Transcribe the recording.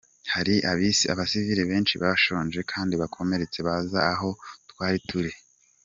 Hari abasivili benshi bashonje kandi bakomeretse bazaga aho twari turi.